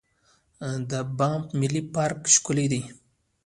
د بانف ملي پارک ښکلی دی.